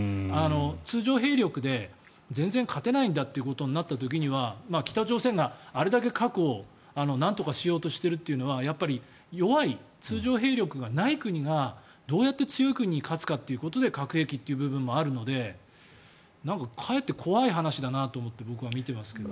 通常兵力で全然勝てないんだということになった時には北朝鮮があれだけ核をなんとかしようとしているのはやっぱり弱い通常兵力がない国がどうやって強い国に勝つかということで核兵器という部分もあるのでかえって怖い話だなと思って僕は見ていますけど。